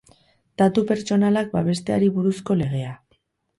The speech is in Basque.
Datu Pertsonalak babesteari buruzko legea.